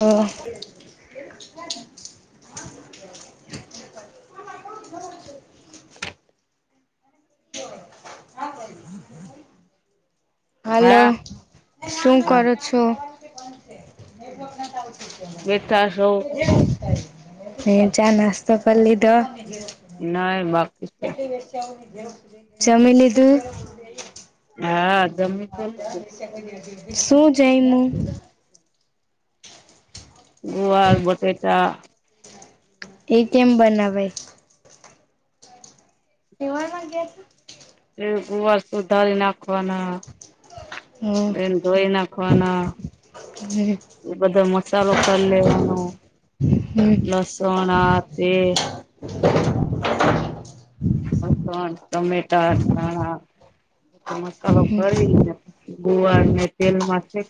અહ. કા ચાયલી હાલો, હા શું હા કરો છો? લેટા શો. એમ ચા નાસ્તો કર લીધો? નાઈ બા જમી લીધું? હા, જમી તો ધૂ. શું જયમું? ગુવાર બટેટા એ કેમ બનાવાય? તેવામાં ગ્યા તા? એ ગુવાર સુધ્ધારી નાખવાના. બેન ધોઈ નાખવાના. હમ એ બધો મસાલો કર લેવાનો હમ લસણ આ તે ઓ કન ટોમેટા ધાણા એ મસાલો હમ કલીને ગુવારને તેલનુંમાં છે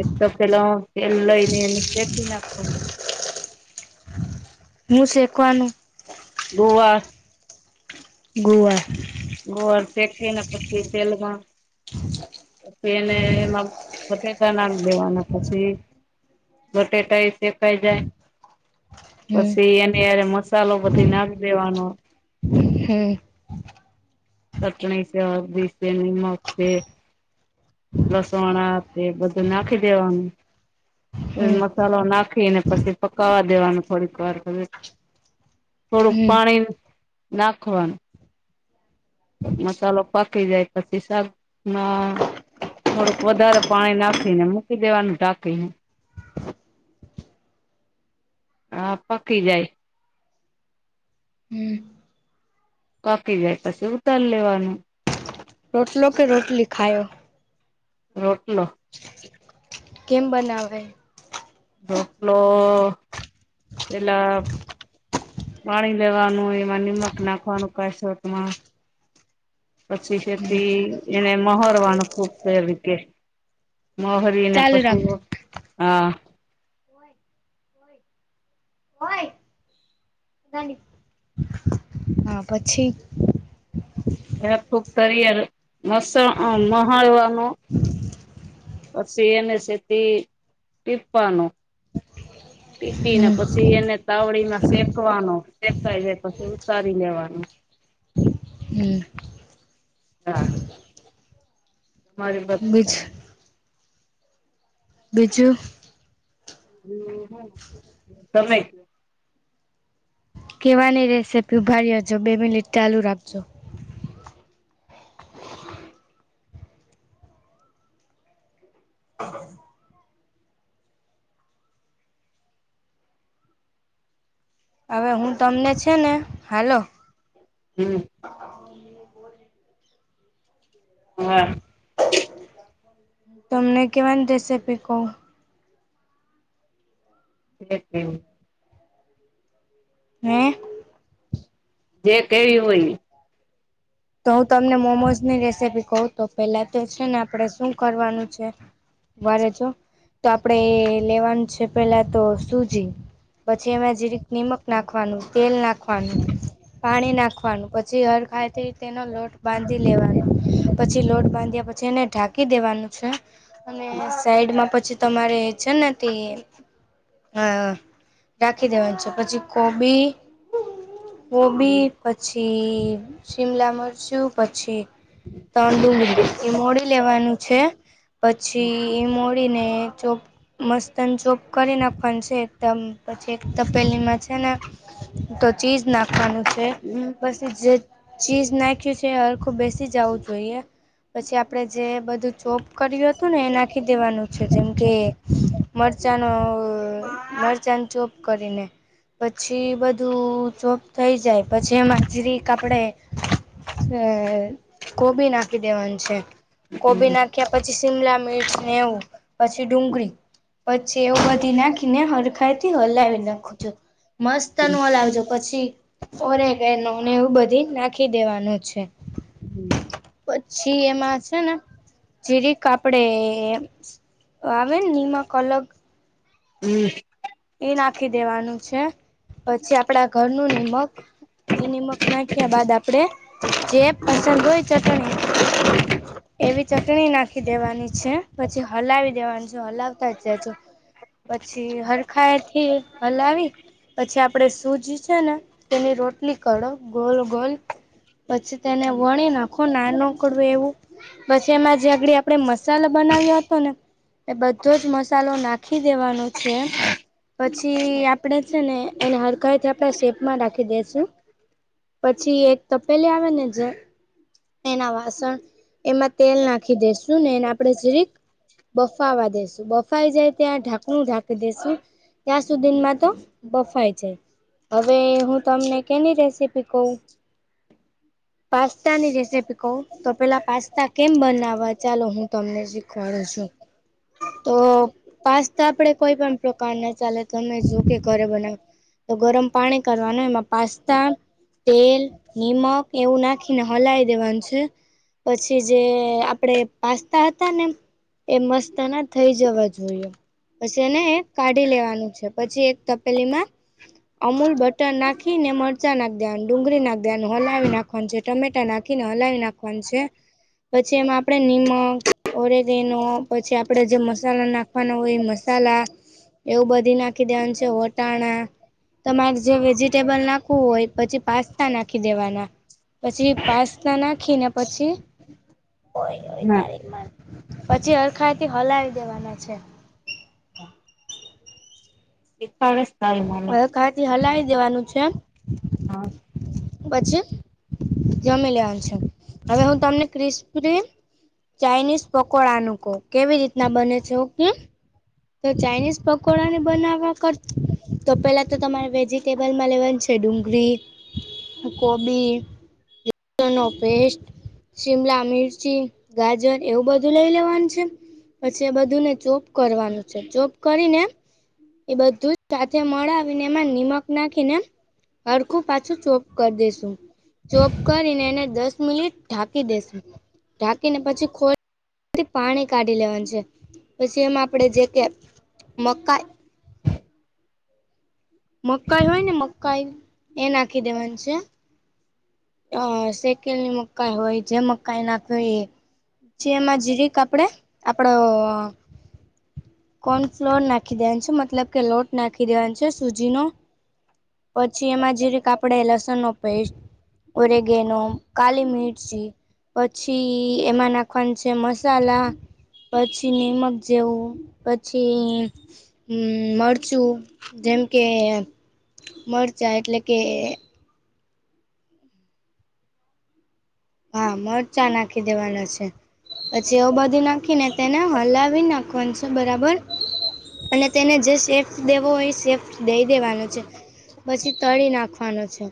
એક તપેલો તેલ લઈને એને સેકી નાખવાનું. મું શેકવાનું. ગોવાર. ગુવાર. ગોળ તેકવીને તે તેલમાં ટ્વેને એમાં સફેટાના દેવાના પછી બટેટા એ શેકાઈ જાય. હમ પસી એને મસાલો બધુંય નાખી દેવાનો. હમ્મ. ચટણી સે હલ્દી સે નિમક છે. લસણ આતે બધું નાખી દેવાનું. હમ મસાલો નાખીને પછી પકાવા દેવાનું થોડીક વાર. [inaudible] થોડુંક પાણી નાખવાનું. મસાલો પાકવી જાય પછી શાક ના ના ના થોડુંક વધારે પાણી નાખીને મૂકી દેવાનું ઢાંકીને. [inaudible] આ પકી જાય. હમ પકી જાય પછી ઉતાર લેવાનું. રોટલો કે રોટલી ખાઈઓ? રોટલો. કેમ બનાવે? રોટલો પેલા બાણી લેવાનું એમાં નિમક નાખવાનું કશોતમાં. પછી છેતે એ-એ-એને મહોરવાનું ખૂપ કે મહો એના ચાલુ પશુઓ, રાખજો હા. હા પછી. એૂક તિયાર મસ મહાડવાનું. પછી એને સેતી ટીપવાનું. ટીપીને હમ પછી એને તાવડીમાં શેકવાનો, શેકાઈ જાય પછી ઉતારી લેવાનો. હ. હા. મારી બ [unintelligible] બીજું બીજું. હ તમે. કહેવાની રેસે ઊભાા રેજો બે મિનિટ ચાલુ રાખજો. હ [inaudible] હ. હવે હું તમને છે ને હાલો. હ. હ બ [unintelligible] હા. તમને કેમન રેસીપી કહો. એ [unintelligible] હે. જે કેવી હોય? તો હું તમને મોમોઝની રેસીપી કઉ તો પેલા તો છે ને આપડે શું કરવાનું છે. વારે જો તો, આપડે લેવાનું છે પેલા તો સુજી. પછી એમાં જે નિમક નાખવાનું તેલ નાખવાનું. પાણી નાખવાનું પછી હર ખાયતિ તેનો લોટ બાંધી લેવાનો, પછી લોટ બાંધ્યા પછી એને ઢાંકી દેવાનું છે. અને સાઈડમાં પછી તમારે છે ને તે હ રાખી દેવાની છે પછી કોબી. કોબી પછી શિમલા મરચું પછી તન ડુંગળી એ મોડી લેવાનું છે, પછી ઈ મોડી ને ચોપ મસ્તન ચોપ કરી નાખવાનું છે. તમ પછી એક તપેલીમાં છે ને, તો ચીઝ નાખવાનું છે બસ. જે ચીસ નાખ્યું એ સરખું બેસી જાઉં જોઈએ. પછી આપડે જે બધું ચોપ કર્યું હતું ને એ નાખી દેવાનું છે જેમ કે મરચાંનો મરચાંનો ચોપ કરીને. પછી બધું ચોપ થઈ જાય પછી એમાં જીરીક આપડે અ કોબી નાખી દેવાનું છે, કોબી નાખી કે પછી શિમલા મિર્ચને એવું, પછી ડુંગળી. પછી એવું બધી નાખીને હરખાયથી હલાવી નાખજો. મસ્તનુ હલાવજો પછી ઓરે કે નને એવું બધી નાખ નાખી દેવાનું છે. હ. પછી એમાં છે ને જિરીક આપડે આવેને મિમા કલગ. હમ. એ નાખી દેવાનું છે, પછી આપડા ઘરનું નિમક. એ નિમક નાખ્યા બાદ આપડે જે પસંદ હોય તે ચટણી એવી ચટણી નાખી દેવાની છે પછી હલાવી દેવાનું છે હલાવતા જ જજો. પછી હરખાય થી હલાવી. પછી સૂજી છે, ને તેની રોટલી કરો ગોલ ગોલ. તેને વણી નાખો નાનોકડું એવું. પછી એમાં જે આગડી આપડે મસાલા બનાવ્યો હતો ને. એ બધો જ મસાલો નાખી દેવાનો છે. પછી આપડે છે, ને એને હડકાઈથી આપણે શેપમાં રાખી દેસું. પછી એક તપેલી આવે ને જ. એના વાસણ, એમાં તેલ નાખી દેસું ને એને આપણે જેરીક. બફાવા દેસુ બફાઈ જાય ત્યાં ઢાંકણું ઢાકી દેસુ. ત્યાં સુધીમાં તો બફાય છે. હવે હું તમને કેની રેસીપી કવ? પાસ્તાની રેસી તો પેલા કેમ બનાવવા હું તમને શીખવાડું છું. તો પાસ્તા આપડે કોઈ પ્રકારના ચાલે તમે કે ઘરે બનાવ. તો ગરમ પાણી કરવાનું એમાં પાસ્તા તેલ નીમક એવું નાખીને હલાઈ દેવાનું છે. પછી જે આપડે પાસ્તા હતાને. એ મસ્તના થઈ જવા જોઈએ. પછી એને કાઢી લેવાનું છે, પછી એક તપેલીમાં અમૂલ બટર નાખીને મરચાંના ડુંગળી નાખી ધ્યાન હલાવી નાખવાનું છે, ટમેટા નાખી નાખીને હલાવી નાખવાનું છે, પછી એમાં આપણે નિમક ઓરેગઈનો પછી આપડે જે મસાલા નાખવાનો હોય એ મસાલા. એવું બધી નાખી દેનું છે વટાણા. તમારે જે વેજીિટેબલ નાખવું હોય પછી પાસ્તા નાખી દેવાના, પછી પાસના નાખીને પછી હોય હોય ના, તારીખ પછી અરખાયથી હલાવી દેવાના છે. એક પારસ તારીમા. હવે કાલથી હલાવી દેવાનું છે. પછી જમી લેવાનું છે. હવે હું તમને ક્રિસ્પ. ચાઇનીઝ પકોડાનું કહું કેવી રીતના બને છે ઓકેમ. તો ચાઇનીઝ પકોડાને બનાવવા કરતા તો પેલા તો તમારે વેજીિટેબલમાં લેવાની છે ડુંગળી. કોબી, લસણનો પેસ્ટ. શિમલા મિરચી ગાજર એવું બધું લઈ લેવાનું છે? પછી એ બધુંને ચોપ કરવાનું છે, ચોપ કરીને. એ બધું જ સાથે મળાવીને એમાં નીમક નાખીને. હરખું પાછું ચોપ કરી દેસુ. ચોપ કરીને એને દસ મિનિટ ઢાંકી દેશે, ઢાંકીને પછી ખોલી થી પાણી કાઢી લેવાનું છે, પછી એમાં આપણેે જે કે મકાઈ મકાઈ હોય ને મકાઈ એ નાખી દેવાનું છે. અ સેકેલની મકાઈ હોય જે મકાઈ નાખવીએ. જે એમાં જીરીક આપડે આપડો કોન ફ્લોર નાખી દેવા છે, મતલબ કે લોટ નાખી દેવા છે સુજીનો. પછી એમાં જેરીક આપડે લસણ નો પેસ્ટ. ઓરેગેનો કાલી મીરચી. પછી એમાં નાખવાનું છે મસાલા. પછી નીમક જેવું પછી મરચું જેમ કે મરચાં એટલે કે હા મરચા નાખી દેવાનો છે. પછીવ બધી નાખીને તેને હલાવી નાખવાનું છે બરાબર. અને તેને જે સેફ્ટ દેવો હોય એ સેફ દેઈ દેવાનો છે. પછી તળી નાખવાનો છે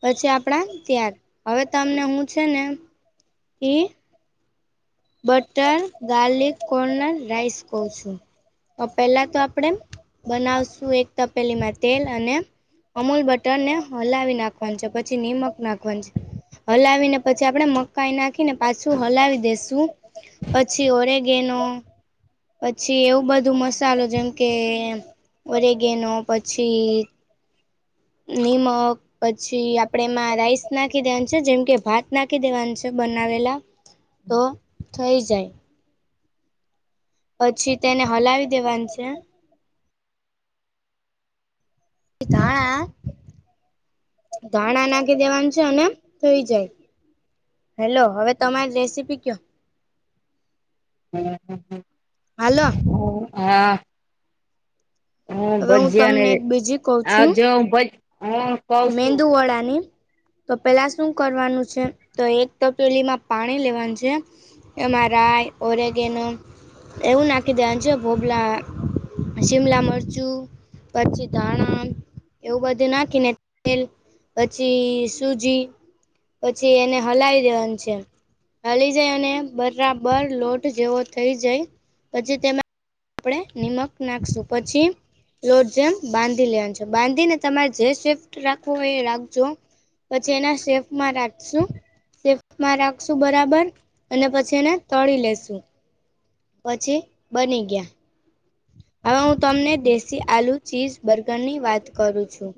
પછી આપડા ત્યાર, હવે તમને હું છે. કે બટર ગાર્લિક કોર્નર રઈસ કૌ છું. તો પેલા તો આપણેે બનાવશું એક તપેલીમાં તેલ અને અમૂલ બટર ને હલાવી નાખવાનું છે પછી નિમક નાખવાની છે. હલાવી ને પછી આપડે મકાઈ નાખીને પાછું હલાવી દેસુ. પછી ઓરેગેનો પછી એવું બધું મસાલો જેમ કે વરેગેનો પછી નિમક. પછી આપણે એમાં રાઈસ નાખી દેવાનું છે. જેમ કે ભાત નાખી દેવાનું છે બનાવેલા. તો થઈ જાય. પછી તેને હલાવી દેવાન છે. [unintelligible] ધાણા ધાણા નાખી દેવાનું છે. અને થઈ જાય. હેલો. હવે તમારી રેસીપી કયો. હમ્મ-હમ્મ-હમ્મ, હાલો ઓહ! હા. હું હવે ભજિયાને તમને એક બીજી આજ જો હું ભજ હું કઉ છું. મેંદુવડા ની. તો પેલા શું કરવાનું છે? તો એક તપેલીમાં પાણી લેવાનું છે. એ મારા ઓરેગેનો એવું નાખી દેવાન છે. [unintelligible] શિમલા મરચું પછી ધાણા, એવું બધું નાખીને [unintelligible] પછી સુજી, પછી એને હલાવી દેવાનું છે. હલી જાય અને બરાબર લોટ જેવો થઈ જાય. પછી તેમાં આપણે નિમક નાખશું. પછી લોટ જેમ બાંધી લેવાનું છે. બાંધીને તમારે જે શેપ રાખવો હોય એ રાખજો. પછી એના શેપમાં રાખશું. શેફમાં રાખશું બરાબર, અને પછી એને તળી લેશુ. પછી બની ગયા. હવે હું તમને દેશી આલુ ચીઝ બર્ગર ની વાત કરું છું.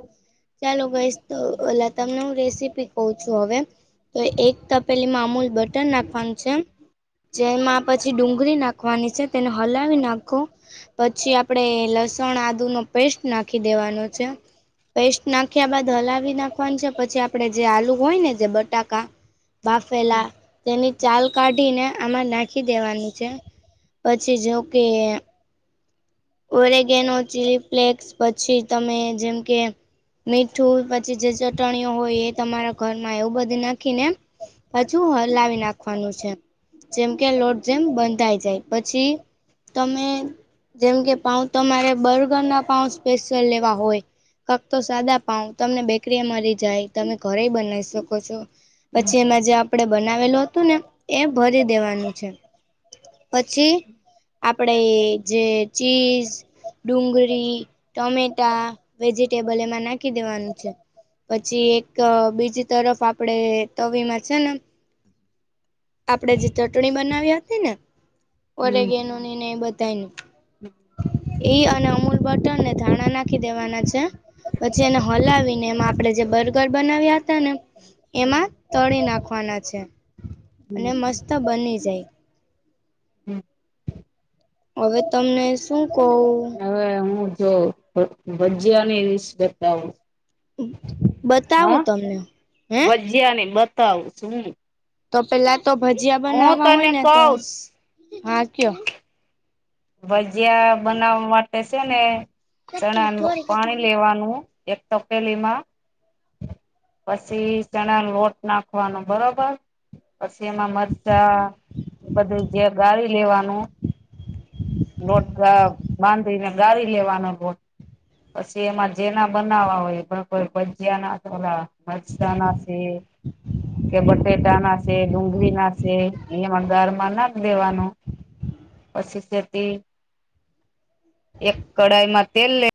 ચાલો ગાઈઝ તો ઓલાં તમને હું રેસીપી કઉ છું હવે. તો એક તપેલીમાં અમૂલ બટર નાખવાનું છે. જેમાં પછી ડુંગળી નાખવાની છે, તેને હલાવી નાખો. પછી આપણેે લસણ, આદુ નો પેસ્ટ નાખી દેવાનો છે. પેસ્ટ નાખ્યા બાદ હલાવી નાખવાનું છે. પછી આપણે જે આલુ હોય ને, જે બટાકા બાફેલા તેની ચાલ કાઢીને આમાં નાખ ખી દેવાની છે. પછી જો કે ઓરેગેનો, ચીલી ફ્લેક્સ, પછી તમે જેમ કે મીઠું, પછી જે ચટણીઓ હોય એ તમારા ઘરમાં એવું બધું નાખીને પાછું હલાવી નાખવાનું છે. જેમ કે લોટ જેમ બંધાઈ જાય. પછી તમે જેમ કે પાઉં તમારે બર્ગરના પાઉં સ્પેશિયલ લેવા હોય. ફક્તો સાદા પાઉં, તમને બેકરીએ મલી જાય, તમે ઘરેઈ બનાઈ શકો છો. પછી એમાં જે આપણેે બનાવેલું હતું ને એ ભરી દેવાનું છે. પછી આપણે જે ચીઝ, ડુંગળી ટમેટા, વેજીિટેબલ એમાં નાખી દેવાનું છે. પછી એક બીજી તરફ આપણે તવીમાં છે ને આપણે જે ચટણી બનાવી હતી ને, હમ ઓરેગેનો ને એ બધાઈ ની? ઈ અને અમૂલ બટર ને ધાણા નાખી દેવાના છે. પછી એને હલાવીને એમાં આપણે જે બર્ગર બનાવ્યા હતા ને એમાં હમ તળી નાખવાના છે. અને મસ્ત બની જાય. હમ હવે તમને શું કવ? હવે હું જોવ ભ ભજીયાની [unintelligible] બતાવું બતાવું તમને. હે? જિયા ની બતાવું છું હું. તો પેલા ભજીયા હું બનાવવા હોય તને ને તો કઉશ કયો. ભજીયા બનાવવા માટે છે ને ચણા પાણી લેવાનું. એક ટપલી માં. પછી ચણા લોટ નાખવાનો બરોબર. પછી એમાં મરચાં, બધું જે ગાળી લેવાનું. લોોટ બાંધીને ગાારી લેવાનો લોટ. પછી એમાં જેના બનાવવા હોય પણ કોઈ. નાલા મજ જનાશે. કે બટેટા નાશે ડુંગળી નાશે એમાં ઘરમાં નાખ દેવાનું. પછી સ, એક કઢાઈમાં તેલ લે